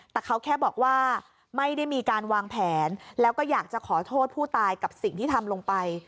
แต่เขาแค่บอกว่าไม่ได้มีการวางแผนแล้วก็อยากจะขอโทษผู้ตายกับสิ่งที่ทำลงไป